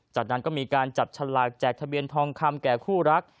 จากนั้นก็มีการจับฉลากแจกทะเบียนทองคำแก่คู่รัก